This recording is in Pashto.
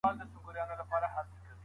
خجالت پر ځان او نورو باندي باور خرابوي.